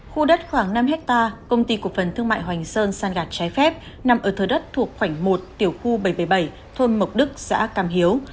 khu đất khoảng năm hectare công ty cổ phần thương mại hoành sơn san gạt trái phép nằm ở thờ đất thuộc khoảng một tiểu khu bảy trăm bảy mươi bảy thôn mộc đức xã cam hiếu